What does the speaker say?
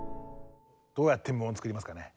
どうやって無音を作りますかね？